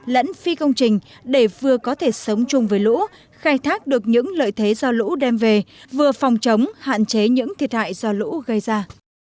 lẫn phi công trình để vừa có thể sống chung với lũ khai thác được những lợi thế do lũ đem về vừa phòng chống hạn chế những thiệt hại do lũ gây ra